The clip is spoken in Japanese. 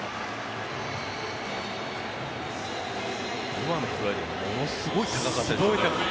今のフライでもものすごく高かったですね。